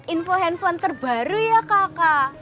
info handphone terbaru ya kakak